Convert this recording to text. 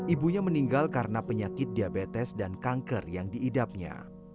ibunya meninggal karena penyakit diabetes dan kanker yang diidapnya